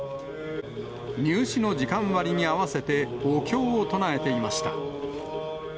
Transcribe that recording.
入試の時間割りに合わせてお経を唱えていました。